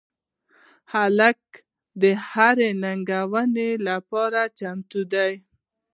هلک د هرې ننګونې لپاره چمتو دی.